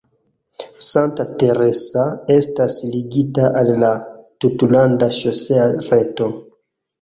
Santa Teresa estas ligita al la tutlanda ŝosea reto.